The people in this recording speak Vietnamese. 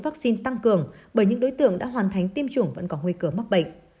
vaccine tăng cường bởi những đối tượng đã hoàn thành tiêm chủng vẫn có nguy cơ mắc bệnh